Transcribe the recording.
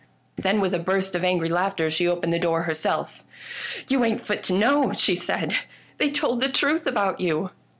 " Then, with a burst of angry laughter, she opened the 'door herself. " You ain't fit to know," she said ;'' they told the truth about you